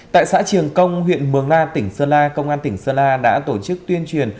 tại xã triềng công huyện mường la tỉnh sơn la công an tỉnh sơn la đã tổ chức tuyên truyền